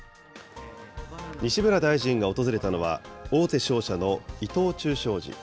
西村大臣が訪れたのは、大手商社の伊藤忠商事。